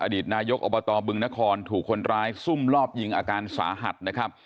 ตนายกอบตบึงนครถูกคนร้ายซุ่มรอบยิงอาการสาหัสนะครับ